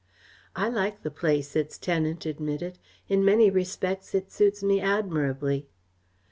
"I like the place," its tenant admitted. "In many respects it suits me admirably."